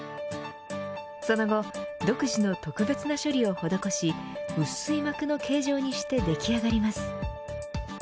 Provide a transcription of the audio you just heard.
その後、独自の特別な処理を施し薄い膜の形状にしてでき上がります。